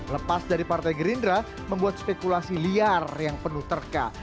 lepas dari partai gerindra membuat spekulasi liar yang penuh terka